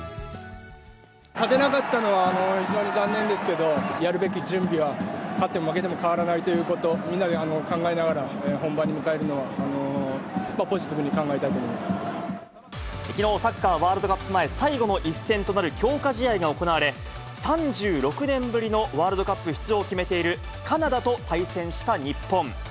勝てなかったのは、非常に残念ですけど、やるべき準備は、勝っても負けても変わらないということ、みんなで考えながら、本番に向かえるのは、ポジティブに考えたいと思いきのう、サッカーワールドカップ前、最後の一戦となる強化試合が行われ、３６年ぶりのワールドカップ出場を決めているカナダと対戦した日本。